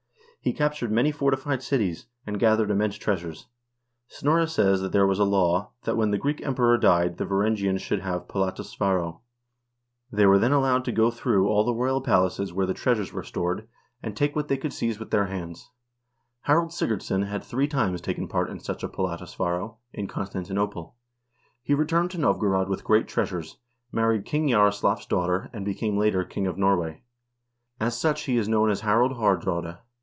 He captured many fortified cities, and gathered immense treasures. Snorre says that there was a law, that when the Greek Emperor died, the Varangians should have polata svaro.1 They were then allowed to go through all the royal palaces where the treasures were 1 polata =• palatium. polata~svaro robbery of the palace. 68 HISTORY OF THE NORWEGIAN PEOPLE stored, and take what they could seize with their hands. Harald Sigurdsson had three times taken part in such a polata svaro in Constantinople. He returned to Novgorod with great treasures, married King Jaroslaf's daughter, and became later king of Norway. As such he is known as Harald Haardraade.